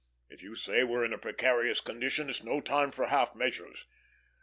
If you say we're in a precarious condition, it's no time for half measures.